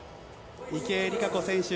池江璃花子選手